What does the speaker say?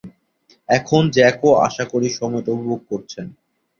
এখন, জ্যাকও আশা করি সময়টা উপভোগ করছেন!